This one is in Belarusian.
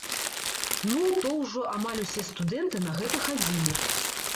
Ну то ўжо амаль усе студэнты на гэта хадзілі.